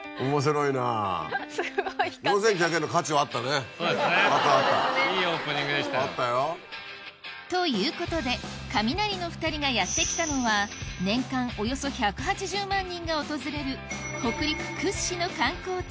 いいオープニングでしたよ。ということでカミナリの２人がやって来たのは年間およそ１８０万人が訪れる北陸屈指の観光地